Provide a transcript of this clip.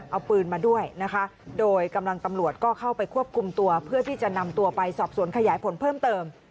เอาปืนมาด้วยนะคะโดยกำลังตำรวจก็เข้าไปควบคุมตัวเพื่อที่จะนำตัวไปสอบสวนขยายผลเพิ่มเติม